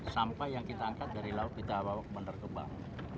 sampah yang kita angkat dari laut kita bawa ke bandar kebang